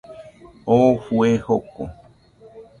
Oo fue joko